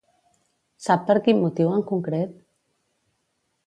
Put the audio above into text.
Sap per quin motiu en concret?